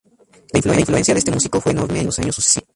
La influencia de este músico fue enorme en los años sucesivos.